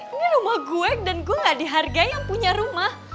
ini rumah gue dan gue gak dihargai yang punya rumah